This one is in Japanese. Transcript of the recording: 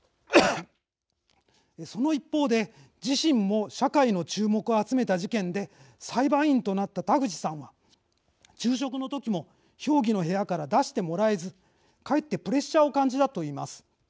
その一方で自身も社会の注目を集めた事件で裁判員となった田口さんは昼食の時も評議の部屋から出してもらえずかえってプレッシャーを感じたと言います。